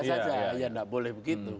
saja ya tidak boleh begitu